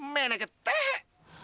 mena ke teh